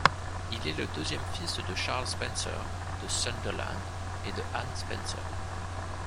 Il est le deuxième fils de Charles Spencer, de Sunderland, et de Anne Spencer.